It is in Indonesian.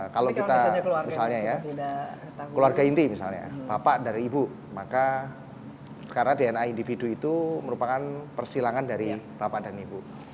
kalau kita misalnya ya keluarga inti misalnya bapak dari ibu maka karena dna individu itu merupakan persilangan dari bapak dan ibu